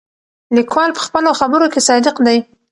لیکوال په خپلو خبرو کې صادق دی.